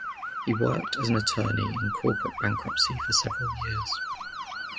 He worked as an attorney in corporate bankruptcy for several years.